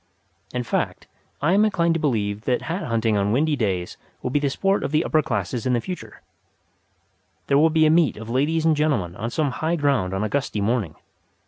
In fact, I am inclined to believe that hat hunting on windy days will be the sport of the upper classes in the future. There will be a meet of ladies and gentlemen on some high ground on a gusty morning.